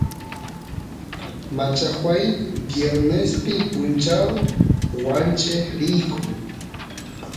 machajuay viernespi punchaw wancheq riyku